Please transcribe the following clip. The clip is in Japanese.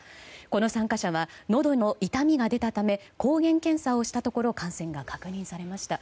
この参加者はのどの痛みが出たため抗原検査をしたところ感染が確認されました。